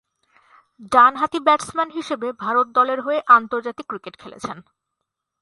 ডানহাতি ব্যাটসম্যান হিসেবে ভারত দলের হয়ে আন্তর্জাতিক ক্রিকেট খেলছেন।